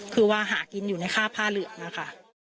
คือว่าหากินอยู่ในค่าผ้าเหลืองนะคะ